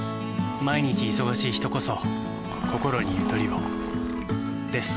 毎日忙しい人こそこころにゆとりをです。